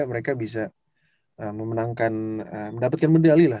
mereka bisa memenangkan mendapatkan medali lah